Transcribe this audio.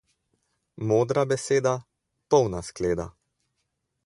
Modra beseda, polna skleda.